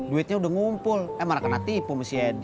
duitnya udah ngumpul eh malah kena tipu sama si edi